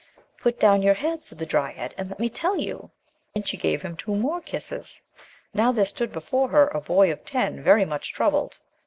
"Put down your head," said the dryad, "and let me tell you." Then she gave him two more kisses. Now there stood before her a boy of ten, very much troubled.